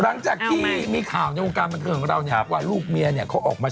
หลังจากที่มีข่าวในวงการบันเทิงของเราเนี่ยว่าลูกเมียเนี่ยเขาออกมา